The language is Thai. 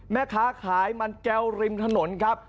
แม่ค้าขายมันแก้วริมถนนครับ